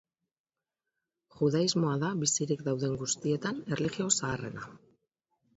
Judaismoa da bizirik dauden guztietan erlijio zaharrena.